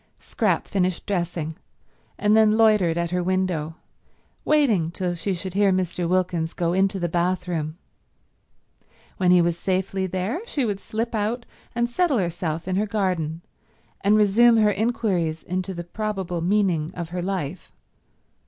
Scrap finished dressing, and then loitered at her window, waiting till she should hear Mr. Wilkins go into the bathroom. When he was safely there she would slip out and settle herself in her garden and resume her inquiries into the probable meaning of her life.